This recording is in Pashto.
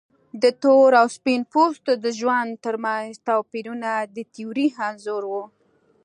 د تور او سپین پوستو د ژوند ترمنځ توپیرونه د تیورۍ انځور و.